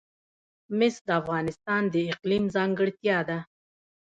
مس د افغانستان د اقلیم ځانګړتیا ده.